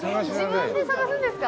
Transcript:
自分で探すんですか？